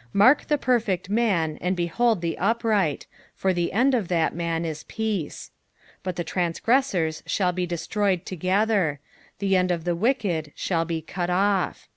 37 Mark the perfect man, and behold the upright : for the end of that man is peace. 38 But the transgressors shall be destroyed together ; the end of the wicked shall be cut off.